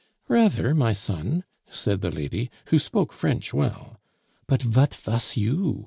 "Rather, my son," said the lady, who spoke French well, "But vat vas you?"